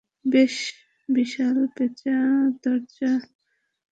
বেশ, বিশাল পেঁচা দরজা, দৈত্যাকার পেঁচা।